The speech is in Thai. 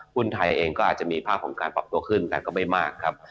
หุ้นไทยเองก็อาจจะมีภาพของการปรับตัวขึ้นแต่ก็ไม่มากครับ